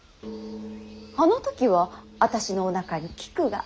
あの時は私のおなかにきくが。